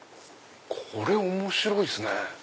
これ面白いっすね。